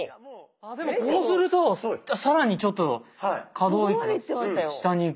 でもこうすると更にちょっと可動域が下にいくって感じが。